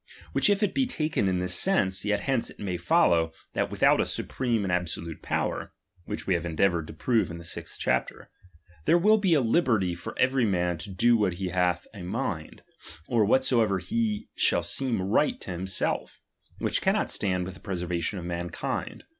Which if it be taken in this sense, yet hence it may follow, that without a supreme and absolute power (which we We endeavoured to prove in the sixth chapter) there will be a liberty for every man to do what he bath a miud, or whatsoever shall seem right to limself ; which cannot stand with the preservation of mankind.